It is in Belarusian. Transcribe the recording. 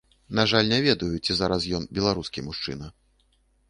На жаль, не ведаю, ці зараз ён беларускі мужчына.